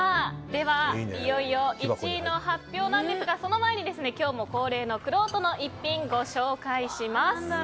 では、いよいよ１位の発表なんですがその前に、今日も恒例のくろうとの逸品ご紹介します。